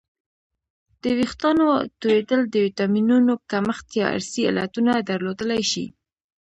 د وېښتانو تویدل د ویټامینونو کمښت یا ارثي علتونه درلودلی شي